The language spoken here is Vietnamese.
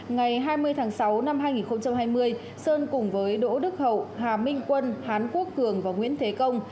ngày hai mươi tháng sáu năm hai nghìn hai mươi sơn cùng với đỗ đức hậu hà minh quân hán quốc cường và nguyễn thế công